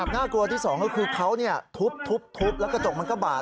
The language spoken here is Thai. น่ากลัวที่สองก็คือเขาทุบแล้วกระจกมันก็บาด